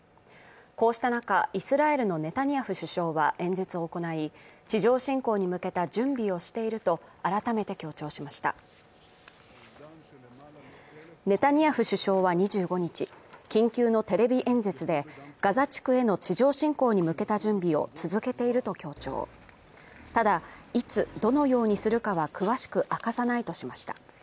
こうした中イスラエルのネタニヤフ首相は演説を行い地上侵攻に向けた準備をしていると改めて強調しましたネタニヤフ首相は２５日緊急のテレビ演説でガザ地区への地上侵攻に向けた準備を続けていると強調ただいつどのようにするかは詳しく明かさないとしました